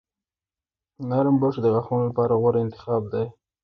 نرم برش د غاښونو لپاره غوره انتخاب دی.